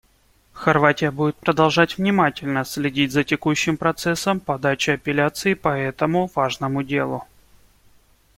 Хорватия будет продолжать внимательно следить за текущим процессом подачи апелляций по этому важному делу.